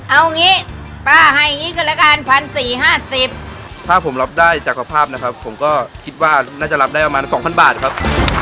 เอางี้ป้าให้อย่างนี้ก็แล้วกัน๑๔๕๐ถ้าผมรับได้จักรภาพนะครับผมก็คิดว่าน่าจะรับได้ประมาณ๒๐๐บาทครับ